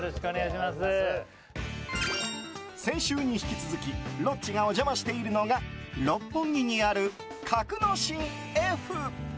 先週に引き続きロッチがお邪魔しているのが六本木にある格之進Ｆ。